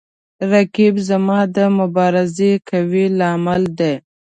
رقیب زما د مبارزې قوي لامل دی